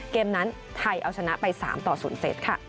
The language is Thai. เกมนั้นไทยเอาชนะไป๓ต่อ๐๗ค่ะ